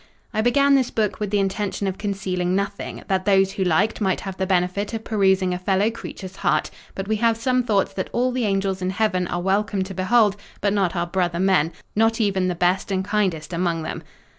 I began this book with the intention of concealing nothing; that those who liked might have the benefit of perusing a fellow creature's heart: but we have some thoughts that all the angels in heaven are welcome to behold, but not our brother men—not even the best and kindest amongst them.